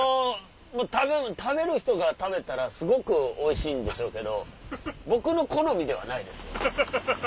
食べる人が食べたらすごくおいしいんでしょうけど僕の好みではないです。